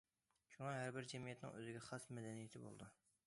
شۇڭا ھەربىر جەمئىيەتنىڭ ئۆزىگە خاس مەدەنىيىتى بولىدۇ.